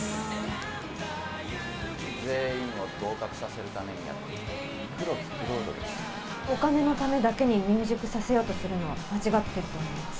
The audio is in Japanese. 全員を合格させるためにやっお金のためだけに入塾させようとするのは間違ってると思います。